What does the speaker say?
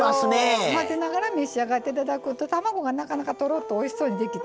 混ぜながら召し上がって頂くと卵がなかなかとろっとおいしそうにできてね